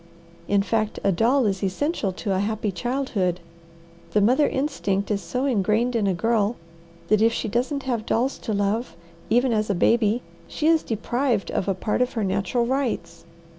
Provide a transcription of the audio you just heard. In fact, a doll is essential to a happy childhood. The mother instinct is so ingrained in a girl that if she doesn't have dolls to love, even as a baby, she is deprived of a part of her natural rights.